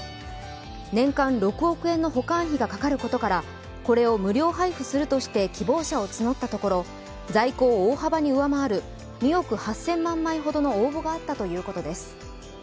年間６億円の保管費がかかることからこれを無料配付するとして希望者を募ったところ在庫を大幅に上回る２億８０００万枚ほどの応募があったということです。